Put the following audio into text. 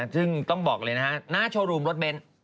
ซึ่งต้องบอกเลยนะฮะหน้าโชว์รูมรถเบนท์